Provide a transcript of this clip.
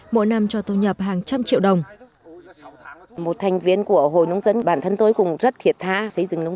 mỗi năm cho tôn nhập hàng trăm triệu đồng